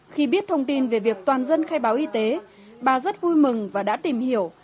khi biết thông tin về việc toàn dân khai báo y tế bà rất vui mừng và đã tìm hiểu